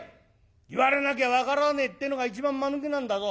言われなきゃ分からねえってのが一番まぬけなんだぞ。